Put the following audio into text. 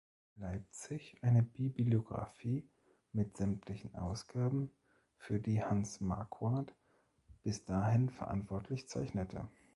Leipzig eine Bibliographie mit sämtlichen Ausgaben, für die Hans Marquardt bis dahin verantwortlich zeichnete.